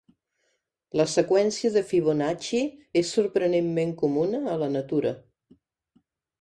La seqüència de Fibonacci és sorprenentment comuna a la natura.